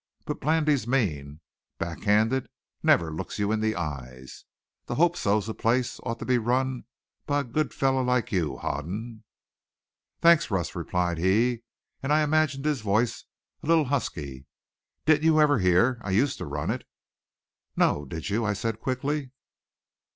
But Blandy's mean, back handed, never looks you in the eyes. That Hope So place ought to be run by a good fellow like you, Hoden." "Thanks, Russ," replied he, and I imagined his voice a little husky. "Didn't you ever hear I used to run it?" "No. Did you?" I said quickly.